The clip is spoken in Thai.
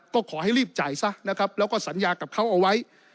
ก็ขอให้รีบจ่ายซะนะครับแล้วก็สัญญากับเขาเอาไว้